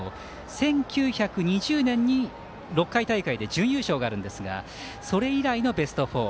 １９２０年に６回大会で準優勝があるんですがそれ以来のベスト４。